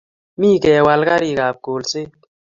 mie kewal karikab kolset.